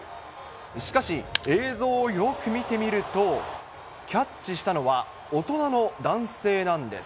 しかし、映像をよーく見てみると、キャッチしたのは、大人の男性なんです。